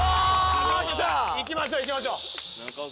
うわー！いきましょういきましょう。